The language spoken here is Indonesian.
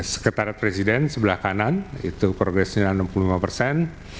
sekretariat presiden sebelah kanan itu profesinya enam puluh lima persen